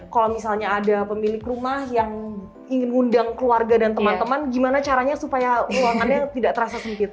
kalau misalnya ada pemilik rumah yang ingin ngundang keluarga dan teman teman gimana caranya supaya ruangannya tidak terasa sempit